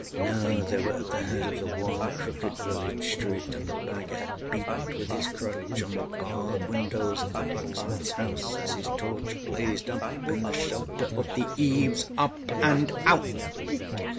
Now they were at the head of the one crooked village street, and the Bhagat beat with his crutch on the barred windows of the blacksmithâs house, as his torch blazed up in the shelter of the eaves. âUp and out!